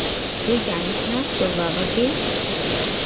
তুই জানিস না তোর বাবা কে?